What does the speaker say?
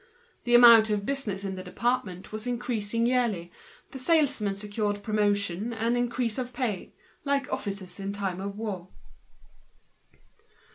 The amount of business in the department was increasing yearly, the salesmen were promoted and their salaries doubled, like officers in time of war.